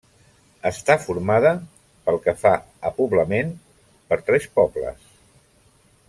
Està formada, pel que fa a poblament, per tres pobles: